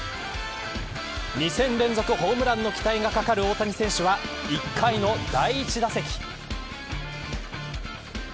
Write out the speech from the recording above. ２戦連続ホームランの期待が懸かる大谷選手は１回の第１打席。